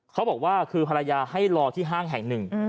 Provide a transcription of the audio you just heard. เขาบอกว่าคือภรรยาให้รอที่ห้างแห่งหนึ่ง